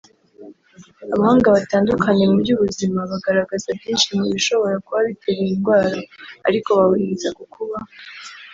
Abahanga batandukanye mu by’ubuzima bagaragaza byinshi mu bishobora kuba bitera iyi ndwara ariko bahuriza ku kuba